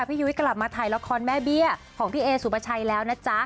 ยุ้ยกลับมาถ่ายละครแม่เบี้ยของพี่เอสุปชัยแล้วนะจ๊ะ